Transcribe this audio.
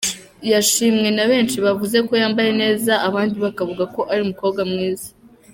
Yashimwe na benshi bavuze ko yambaye neza abandi bakavuga ko ari umukobwa mwiza.